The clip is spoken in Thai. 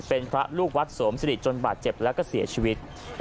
เป็นพระลูกวัดสวมสิริจนบาดเจ็บแล้วก็เสียชีวิต